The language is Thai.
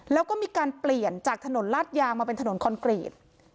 แล้วก็มีการเปลี่ยนจากถนนลาดยางมาเป็นถนนคอนกรีต